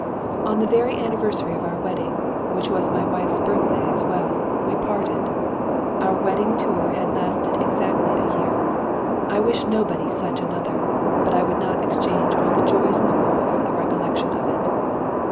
On the very anniversary of our wedding, which was my wife's birthday as well, we parted. Our wedding tour had lasted exactly a year. I wish nobody such another, but I would not exchange all the joys in the world for the recollection of it.